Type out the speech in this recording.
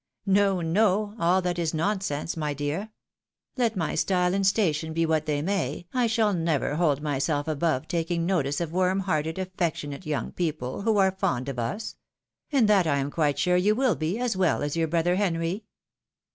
No, no, all that is nonsense, my dear ; let my style and station be what they may, I shall never hold myself above taking notice of warm heaJted, affectionate young people, who are fond of us ; and that I am quite sure you will be, as well as your brother Henry.